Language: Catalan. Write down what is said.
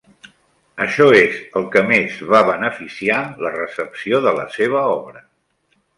Això és el que més va beneficiar la recepció de la seva obra.